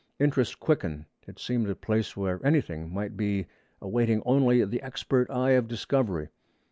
Interest quickened. It seemed a place where anything might be, awaiting only the expert eye of discovery.